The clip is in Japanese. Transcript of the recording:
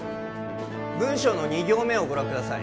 文章の２行目をご覧ください